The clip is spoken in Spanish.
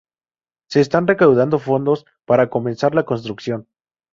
Se están recaudando fondos para comenzar la construcción.